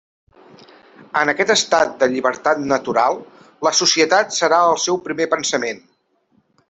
En aquest estat de llibertat natural, la societat serà el seu primer pensament.